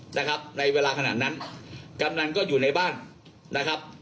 นะครับในเวลาขนาดนั้นกำนันก็อยู่ในบ้านนะครับ